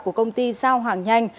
của công ty giao hàng nhanh